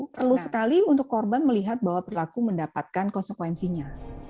perlu sekali untuk korban melihat bahwa pelaku mendapatkan konsekuensinya